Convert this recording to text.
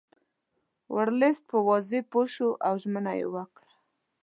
ورلسټ په وضع پوه شو او ژمنه یې وکړه.